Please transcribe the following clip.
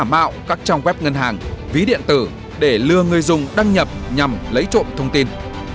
các lừa đảo hiện nay là giả mạo các trang web ngân hàng ví điện tử để lừa người dùng đăng nhập nhằm lấy trộm thông tin